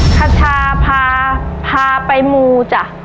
คชาพาพาไปมูจ้ะ